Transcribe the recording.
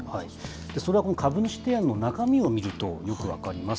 それは株主提案の中身を見ると、よく分かります。